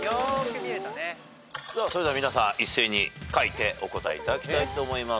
それでは皆さん一斉に書いてお答えいただきたいと思います。